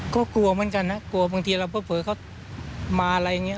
ก็กลัวเหมือนกันนะกลัวบางทีเราเผลอเขามาอะไรอย่างนี้